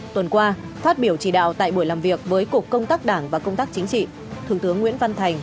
tuần qua phát biểu chỉ đạo tại buổi làm việc với cục công tác đảng và công tác chính trị thượng tướng nguyễn văn thành